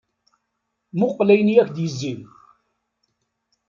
Muqqel ayen i ak-d-izzin!